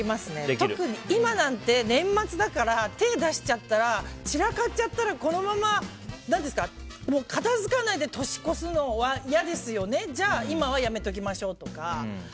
特に今なんて年末だから、手を出しちゃったらちらかっちゃったらこのまま片付かないで年を越すのは嫌ですよねじゃあ今はやめておきましょうとか。